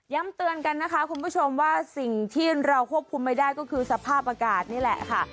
เตือนกันนะคะคุณผู้ชมว่าสิ่งที่เราควบคุมไม่ได้ก็คือสภาพอากาศนี่แหละค่ะ